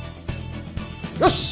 よし！